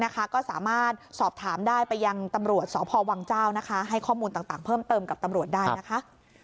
ก็สามารถสอบถามได้ไปยังตำรวจสพวังเจ้าให้ข้อมูลต่างเพิ่มเติมกับตำรวจได้นะคะ